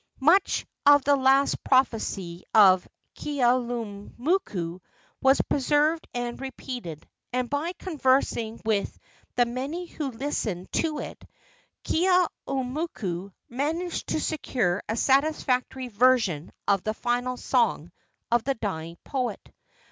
Much of the last prophecy of Keaulumoku was preserved and repeated, and by conversing with the many who listened to it Keeaumoku managed to secure a satisfactory version of the final song of the dying poet.